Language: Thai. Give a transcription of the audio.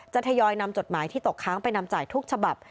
ทยอยนำจดหมายที่ตกค้างไปนำจ่ายทุกฉบับ